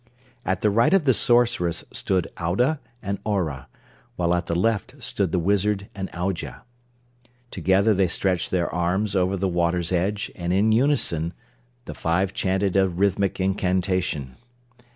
At the right of the Sorceress stood Audah and Aurah, while at the left stood the Wizard and Aujah. Together they stretched their arms over the water's edge and in unison the five chanted a rhythmic incantation.